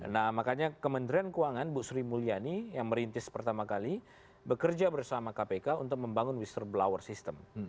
nah makanya kementerian keuangan bu sri mulyani yang merintis pertama kali bekerja bersama kpk untuk membangun wister blower system